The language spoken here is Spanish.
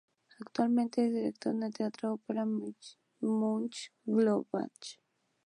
Actualmente es director en el teatro de ópera de Mönchengladbach.